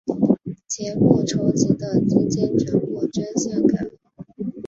节目筹集的资金全部捐献给了。